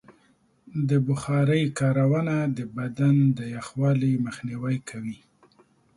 د بخارۍ کارونه د بدن د یخوالي مخنیوی کوي.